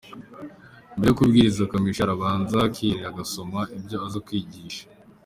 Mbere yo kubwiriza Kamichi arabanza akiherera agasoma ibyo aza kwigisha.